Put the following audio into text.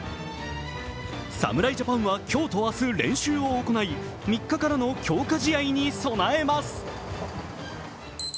侍ジャパンは今日と明日練習を行い３日からの強化試合に備えます。